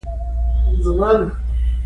دا قهرماني تله ترتله ژوندي پاتې ده.